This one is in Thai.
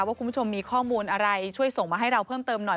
ว่าคุณผู้ชมมีข้อมูลอะไรช่วยส่งมาให้เราเพิ่มเติมหน่อย